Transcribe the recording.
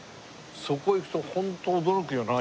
そこ行くとホント驚くよな